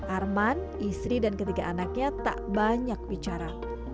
arman istri dan ketiga anaknya tak banyak bicara